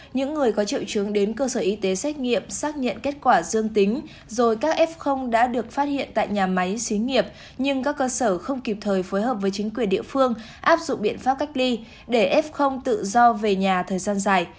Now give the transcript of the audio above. những người có triệu chứng đến cơ sở y tế xét nghiệm xác nhận kết quả dương tính rồi các f đã được phát hiện tại nhà máy xí nghiệp nhưng các cơ sở không kịp thời phối hợp với chính quyền địa phương áp dụng biện pháp cách ly để f tự do về nhà thời gian dài